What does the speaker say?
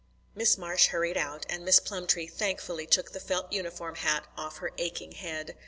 Miss Marsh hurried out, and Miss Plumtree thankfully took the felt uniform hat off her aching head.